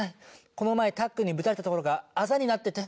この前たっくんにぶたれたところがあざになってて。